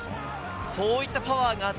そういったパワーがあった